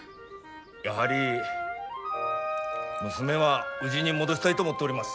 やはり娘はうぢに戻したいと思っております。